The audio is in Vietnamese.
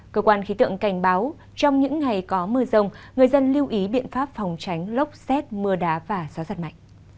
cơ quan khí tượng cảnh báo trong những ngày có mưa rông người dân lưu ý biện pháp phòng tránh lốc xét mưa đá và gió giật mạnh